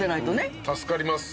助かります。